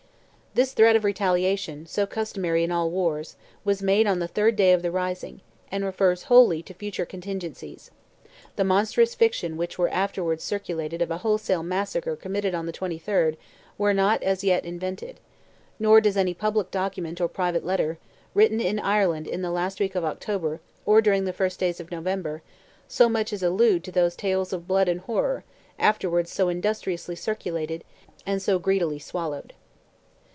This threat of retaliation, so customary in all wars, was made on the third day of the rising, and refers wholly to future contingencies; the monstrous fictions which were afterwards circulated of a wholesale massacre committed on the 23rd were not as yet invented, nor does any public document or private letter, written in Ireland in the last week of October, or during the first days of November, so much as allude to those tales of blood and horror, afterwards so industriously circulated, and so greedily swallowed.